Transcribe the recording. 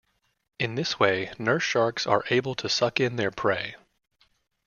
In this way, nurse sharks are able to suck in their prey.